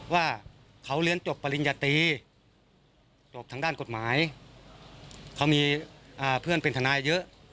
ว่าเขาเรียนจบปริญญาตรีจบทางด้านกฎหมายเขามีเพื่อนเป็นทนายเยอะ